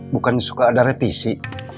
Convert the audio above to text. bukan suka ada repisi